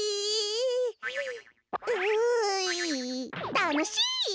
たのしイ。